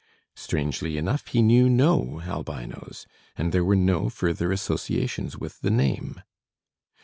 Strangely enough, he knew no albinoes, and there were no further associations with the name.